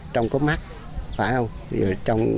trong có mắt phải không